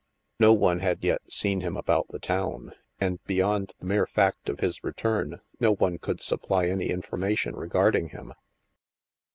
No one had yet seen him about the town, and beyond the mere fact of his return, no one could supply any information regard ing him.